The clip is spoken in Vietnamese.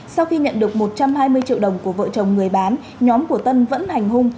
sau khi nhận được một trăm hai mươi triệu đồng của vợ chồng người bán nhóm của tân vẫn hành hung